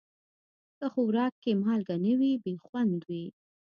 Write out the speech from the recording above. که خوراک کې مالګه نه وي، بې خوند وي.